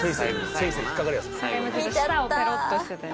今舌をペロッとしてたよ。